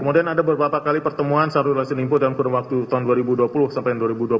kemudian ada beberapa kali pertemuan s satu dan s dua dalam waktu tahun dua ribu dua puluh sampai dua ribu dua puluh dua